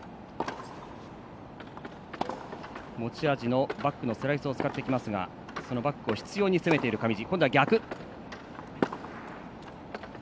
持ち味のバックのスライスを使ってきますがそのバックを執ように攻める上地。